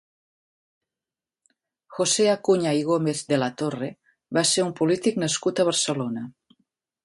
José Acuña i Gómez de la Torre va ser un polític nascut a Barcelona.